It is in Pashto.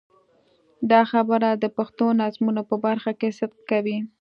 دا خبره د پښتو نظمونو په برخه کې صدق کوي.